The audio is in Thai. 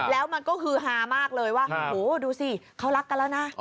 แล้วมันก็ฮือฮามากเลยว่าโอ้โหดูสิเขารักกันแล้วนะ